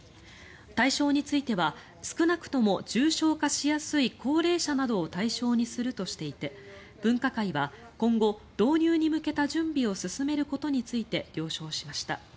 対象については少なくとも重症化しやすい高齢者などを対象にするとしていて分科会は今後導入に向けた準備を進めることについて了承しました。